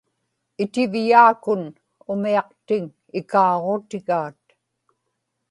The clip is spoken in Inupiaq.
itivyaakun umiaqtiŋ ikaaġutigaat